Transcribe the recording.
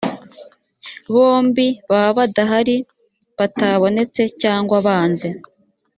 bombi baba badahari batabonetse cyangwa banze